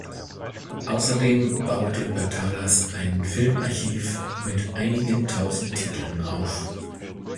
Außerdem baute Patalas ein Filmarchiv mit einigen tausend Titeln auf.